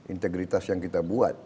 integritas yang kita buat